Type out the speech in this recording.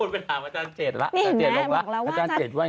คนไปถามอาจารย์เจ็ดละ